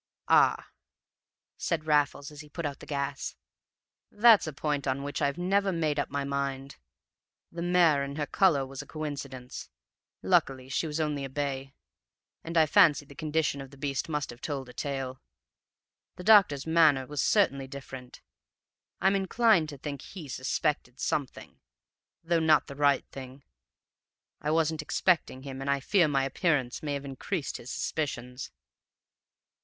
"Ah!" said Raffles, as he put out the gas; "that's a point on which I've never made up my mind. The mare and her color was a coincidence luckily she was only a bay and I fancied the condition of the beast must have told a tale. The doctor's manner was certainly different. I'm inclined to think he suspected something, though not the right thing. I wasn't expecting him, and I fear my appearance may have increased his suspicions."